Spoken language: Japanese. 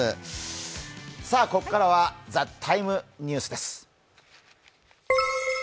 ここからは「ＴＨＥＴＩＭＥ，」ニュースです。